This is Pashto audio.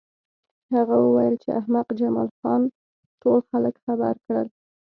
هغه وویل چې احمق جمال خان ټول خلک خبر کړل